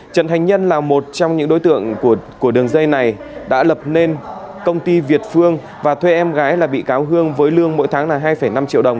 trần thành nhân là một trong những đối tượng của đường dây này đã lập nên công ty việt phương và thuê em gái là bị cáo hương với lương mỗi tháng là hai năm triệu đồng